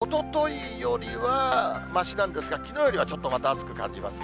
ただ、今は外に出てると、おとといよりはましなんですが、きのうよりはちょっとまた暑く感じます。